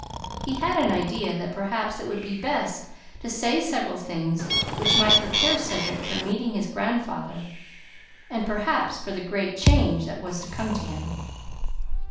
He had an idea that perhaps it would be best to say several things which might prepare Cedric for meeting his grandfather, and, perhaps, for the great change that was to come to him.